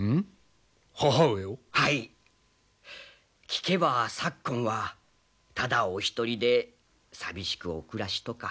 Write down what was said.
聞けば昨今はただお一人で寂しくお暮らしとか。